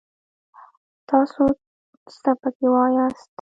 تاڅو څه پکې واياست!